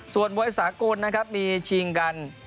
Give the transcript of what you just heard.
ส่วนมวยสากลนะครับมีชิงกัน